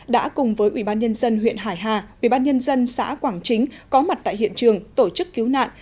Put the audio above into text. đã cùng với ubnd huyện hải hà ubnd xã quảng chính có mặt tại hiện trường tổ chức cứu nạn